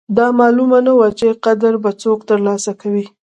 دا معلومه نه وه چې قدرت به څوک ترلاسه کوي.